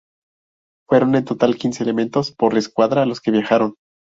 Fueron en total quince elementos por escuadra los que viajaron.